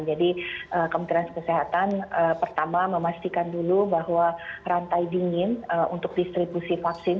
jadi kementerian kesehatan pertama memastikan dulu bahwa rantai dingin untuk distribusi vaksin